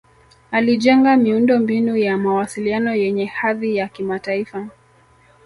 alijenga miundo mbinu ya mawasiliano yenye hadhi ya kimataifa